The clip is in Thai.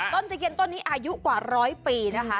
ตะเคียนต้นนี้อายุกว่าร้อยปีนะคะ